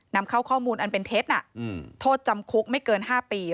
นำเข้าข้อมูลอันเป็นเท็จโทษจำคุกไม่เกิน๕ปี